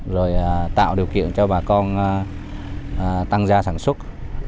rồi tạo điều kiện cho bà con tăng gia sản xuất